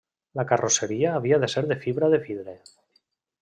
La carrosseria havia de ser de fibra de vidre.